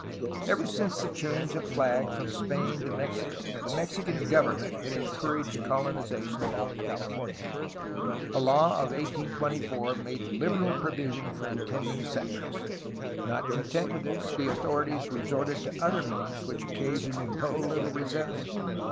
Ever since the change of flag from Spain to Mexico the Mexican government had encouraged colonization of Alta CaHfomia. A law of 1824 made liberal provision for intend ing settlers. Not content with this, the authorities resorted to other means which occasioned no Httle resentment.